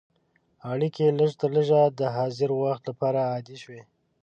اړیکې لږترلږه د حاضر وخت لپاره عادي شوې.